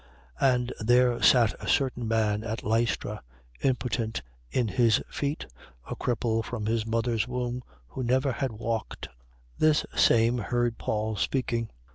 14:7. And there sat a certain man at Lystra, impotent in his feet, a cripple from his mother's womb, who never had walked. 14:8. This same heard Paul speaking.